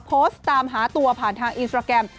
โพสต์ตามหาตัวผ่านทางอินสตราแกรม